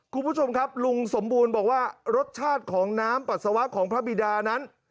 คุณผู้ชมครับลุงสมบูรณ์บอกว่ารสชาติของน้ำปัสสาวะของพระบิดานั้น